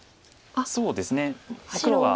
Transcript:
そうですね黒が。